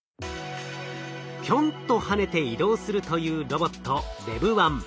ぴょんと跳ねて移動するというロボット